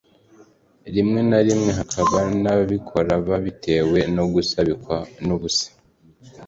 rimwe na rimwe hakaba n’ababikora babitewe no gusabikwa n’ubusa